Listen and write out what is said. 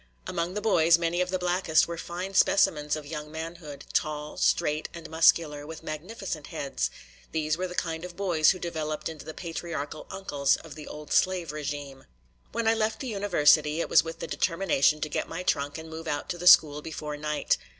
Among the boys many of the blackest were fine specimens of young manhood, tall, straight, and muscular, with magnificent heads; these were the kind of boys who developed into the patriarchal "uncles" of the old slave regime. When I left the University, it was with the determination to get my trunk and move out to the school before night.